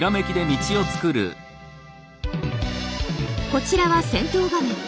こちらは戦闘画面。